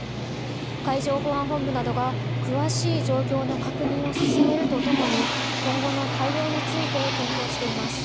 海上保安本部などが詳しい状況の確認を進めるとともに今後の対応について検討しています。